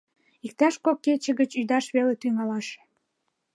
Иктаж кок кече гыч ӱдаш веле тӱҥалаш.